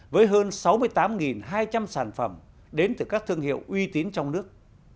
với hơn sáu mươi tám hai trăm linh sản phẩm đến từ các thương hiệu uy tín trong nước